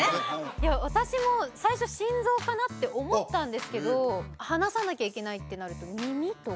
いや私も最初心臓かなって思ったんですけど話さなきゃいけないってなると耳とか？